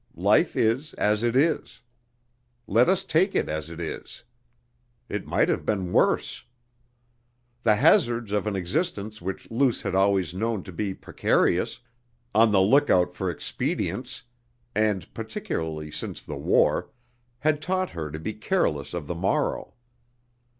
Life is as it is. Let us take it as it is! It might have been worse! The hazards of an existence which Luce had always known to be precarious, on the look out for expedients and particularly since the war had taught her to be careless of the morrow.